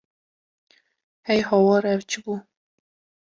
Hey hawar ev çi bû!